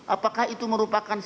apakah itu merupakan